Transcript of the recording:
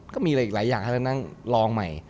ก็มีหลายอย่างให้เรานั่งรองใหม่